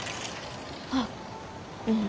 あううん。